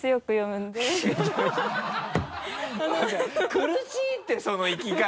苦しいってその生き方。